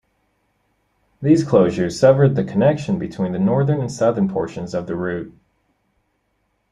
These closures severed the connection between the northern and southern portions of the route.